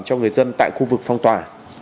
cho người dân tại khu vực phong tỏa